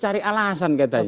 cari alasan katanya